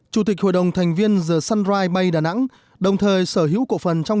chủ tịch hội đồng thành viên the sunrise bay đà nẵng đồng thời sở hữu cộng phần trong